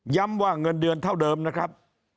ว่าเงินเดือนเท่าเดิมนะครับ